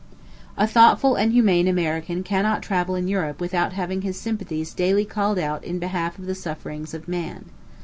A thoughtful and humane American cannot travel in Europe without having his sympathies daily called out in behalf of the sufferings of man.